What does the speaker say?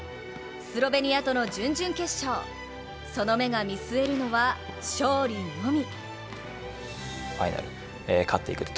スロベニアとの準々決勝、その目が見据えるのは勝利のみ。